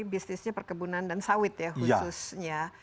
bisnisnya perkebunan dan sawit ya khususnya